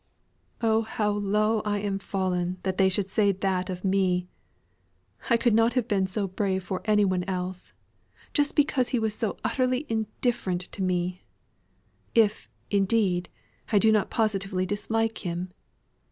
"Oh how low I am fallen that they should say that of me! I could not have been so brave for any one else, just because he was so utterly indifferent to me if, indeed, I do not positively dislike him.